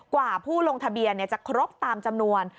กว่าผู้ลงทะเบียนจะครบตามจำนวน